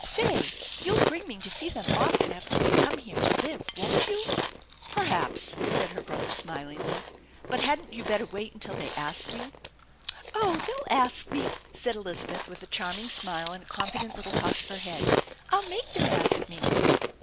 Say, you'll bring me to see them often after they come here to live, won't you ?"" Perhaps," said her brother smilingly. " But hadn't you better wait until they ask you?" " Oh, they'll ask me," said Elizabeth with a charming smile and a confident little toss of her head "I'll make them ask me."